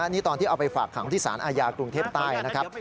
นี่ตอนที่เอาไปฝากขังที่สารอาญากรุงเทพใต้นะครับ